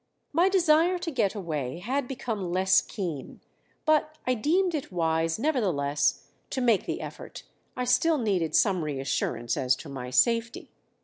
My desire to get away had become less keen; but I deemed it wise nevertheless to make the effort. I still needed some reassurance as to my safety.